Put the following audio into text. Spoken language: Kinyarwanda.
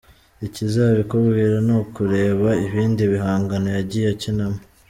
Ikizabikubwira ni ukureba ibindi bihangano yagiye akinamo.